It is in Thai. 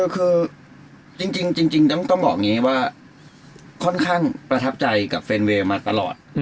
คือจริงต้องบอกอย่างนี้ว่าค่อนข้างประทับใจกับแฟนเวย์มาตลอด